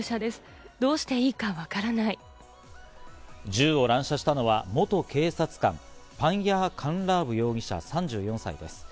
銃を乱射したのは元警察官、パンヤー・カンラーブ容疑者３４歳です。